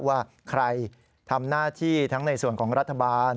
ว่าใครทำหน้าที่ทั้งในส่วนของรัฐบาล